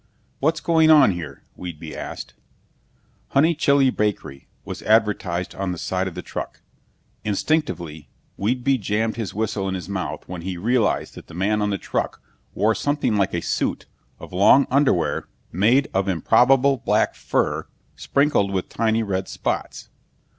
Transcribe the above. "What's going on here?" Whedbee asked. HONEYCHILE BAKERY was advertised on the side of the truck. Instinctively, Whedbee jammed his whistle in his mouth when he realized that the man on the truck wore something like a suit of long underwear made of improbable black fur sprinkled with tiny red spots.